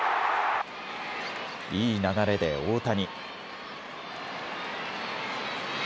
いい流れで大谷。